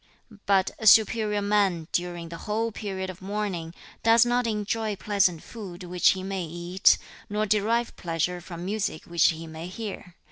But a superior man, during the whole period of mourning, does not enjoy pleasant food which he may eat, nor derive pleasure from music which he may hear.